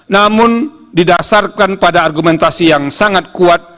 namun didasarkan pada argumentasi yang sangat kuat